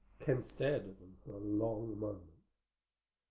Ken stared at them for a long moment.